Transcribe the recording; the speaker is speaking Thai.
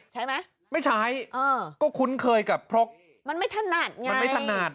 ใช่ไหมไม่ใช้เออก็คุ้นเคยกับพรกมันไม่ถนัดไงมันไม่ถนัด